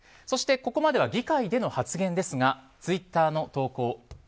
そして、ここまでは議会での発言ですがツイッターの投稿。